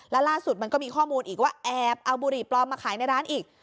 แล้วล่าสุดมันก็มีข้อมูลอีกว่าแอบเอาบุหรี่ปลอมมาขายในร้านอีก